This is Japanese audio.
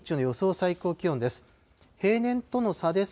最高気温です。